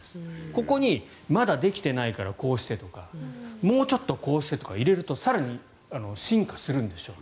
ここに、まだできていないからこうしてとかもうちょっとこうしてとか入れると更に進化するんでしょう。